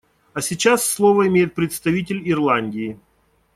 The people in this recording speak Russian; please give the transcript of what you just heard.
А сейчас слово имеет представитель Ирландии.